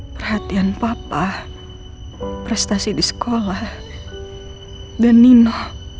perhatian papa prestasi di sekolah dan nino